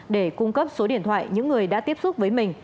để cung cấp số điện thoại những người đã tiếp xúc với mình